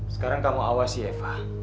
sekarang kamu awasi eva